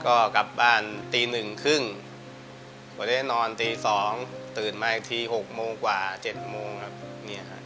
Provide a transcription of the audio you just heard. ก็กลับบ้านตีหนึ่งครึ่งพอได้นอนตี๒ตื่นมาอีกที๖โมงกว่า๗โมงครับเนี่ยครับ